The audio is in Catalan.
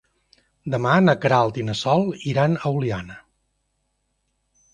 Demà na Queralt i na Sol iran a Oliana.